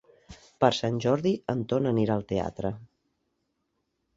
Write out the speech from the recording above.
Per Sant Jordi en Ton anirà al teatre.